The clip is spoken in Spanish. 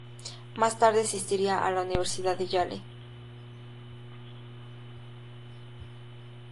Más tarde asistiría a la Universidad de Yale.